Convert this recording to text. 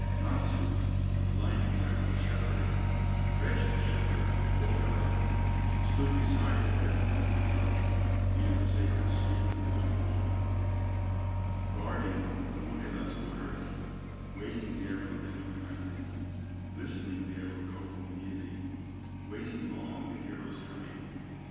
Nasshut, blind and crippled shepherd, Wretched shepherd of Pohyola, Stood beside the death land river, Near the sacred stream and whirlpool, Guarding Tuonela's waters, Waiting there for Lemminkainen, Listening there for Kaukomieli, Waiting long the hero's coming.